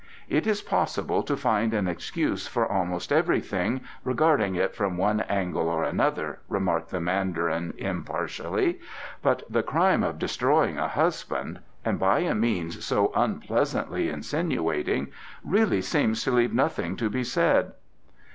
"It is possible to find an excuse for almost everything, regarding it from one angle or another," remarked the Mandarin impartially; "but the crime of destroying a husband and by a means so unpleasantly insinuating really seems to leave nothing to be said."